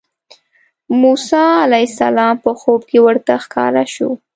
موسی علیه السلام په خوب کې ورته ښکاره شو.